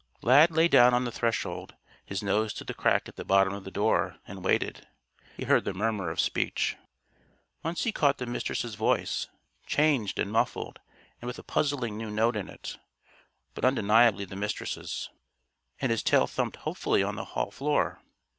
Lad lay down on the threshold, his nose to the crack at the bottom of the door, and waited. He heard the murmur of speech. Once he caught the Mistress' voice changed and muffled and with a puzzling new note in it but undeniably the Mistress'. And his tail thumped hopefully on the hall floor.